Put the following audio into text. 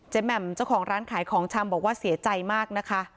แหม่มเจ้าของร้านขายของชำบอกว่าเสียใจมากนะคะ